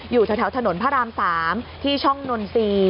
อยู่แถวถนนพระราม๓ที่ช่องนนทรีย์